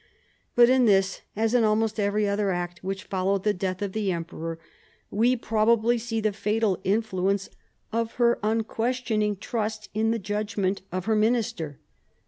But in this, as in almost every other act which followed the death of the emperor, we probably see the fatal influence of her unquestioning trust in the judgment of her minister.